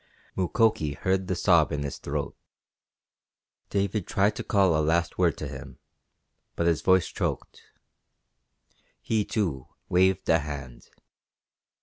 Mukoki heard the sob in his throat. David tried to call a last word to him, but his voice choked. He, too, waved a hand.